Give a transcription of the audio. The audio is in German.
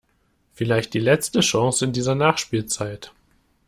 Vielleicht die letzte Chance in dieser Nachspielzeit.